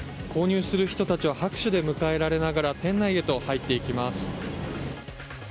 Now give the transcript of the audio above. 購入する人たちは拍手で迎えられながら店内へと入っていきます。